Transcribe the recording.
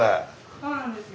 そうなんですよ。